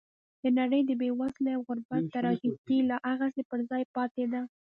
د نړۍ د بېوزلۍ او غربت تراژیدي لا هغسې پر ځای پاتې ده.